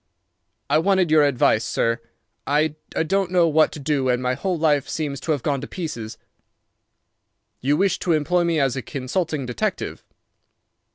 "I wanted your advice, sir. I don't know what to do and my whole life seems to have gone to pieces." "You wish to employ me as a consulting detective?"